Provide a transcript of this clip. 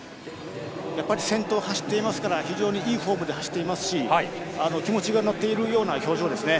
先頭を走っていますから非常にいいフォームで走っていますし気持ちが乗っている表情ですね。